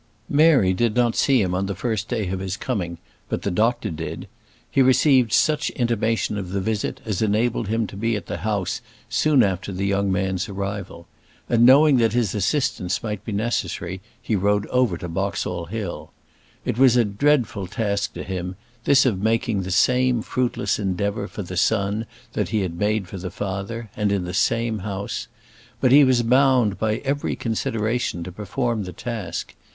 Mary did not see him on the first day of his coming, but the doctor did. He received such intimation of the visit as enabled him to be at the house soon after the young man's arrival; and, knowing that his assistance might be necessary, he rode over to Boxall Hill. It was a dreadful task to him, this of making the same fruitless endeavour for the son that he had made for the father, and in the same house. But he was bound by every consideration to perform the task.